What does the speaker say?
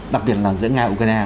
đặc biệt là giữa nga và ukraine